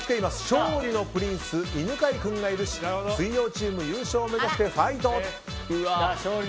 勝利のプリンス犬飼君がいるし水曜チーム優勝目指してファイト！